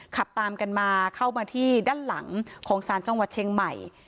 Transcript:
ขับตามกันมาเข้ามาที่ด้านหลังของสารจังหวัดเชียงใหม่